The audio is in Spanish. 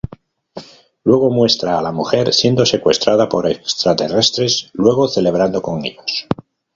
Luego muestra a la mujer siendo secuestrada por extraterrestres, luego celebrando con ellos.